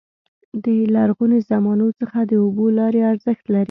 د لرغوني زمانو څخه د اوبو لارې ارزښت لري.